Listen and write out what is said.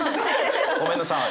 ごめんなさい。